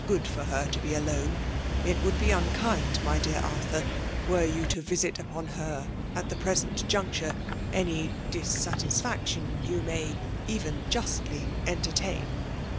1(J9 good for her to be alone ; it would be unkind, my dear Arthur, were you to ymt upon her, at the pceaent juncture, any dissatisfitetkm you may eTien justly entertain.